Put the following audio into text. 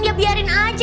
ya biarin aja